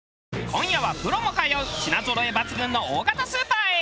今夜はプロも通う品ぞろえ抜群の大型スーパーへ！